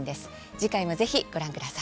次回も、ぜひご覧ください。